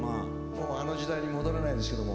もうあの時代に戻れないですけども。